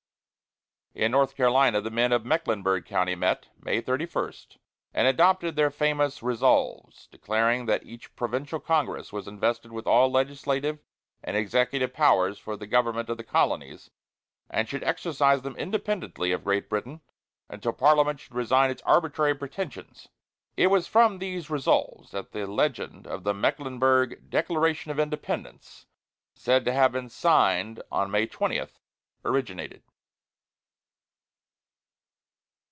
In North Carolina, the men of Mecklenburg County met, May 31, and adopted their famous "Resolves," declaring that each provincial congress was invested with all legislative and executive powers for the government of the colonies, and should exercise them independently of Great Britain, until Parliament should resign its arbitrary pretensions. It was from these "Resolves" that the legend of the Mecklenburg "Declaration of Independence, said to have been signed May 20," originated.